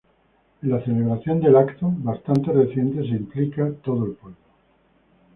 En la celebración del evento, bastante reciente, se implica todo el pueblo.